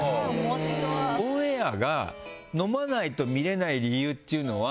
オンエアが飲まないと見れない理由っていうのは。